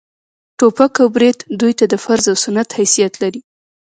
ټوپک او برېت دوى ته د فرض و سنت حيثيت لري.